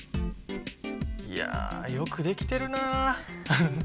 いやよくできてるなあ。